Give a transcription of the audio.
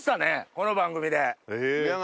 この番組で。